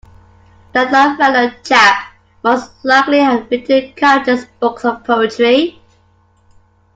That Longfellow chap most likely had written countless books of poetry.